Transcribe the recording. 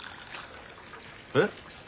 えっ？